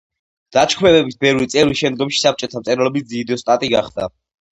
დაჯგუფების ბევრი წევრი შემდგომში საბჭოთა მწერლობის დიდოსტატი გახდა.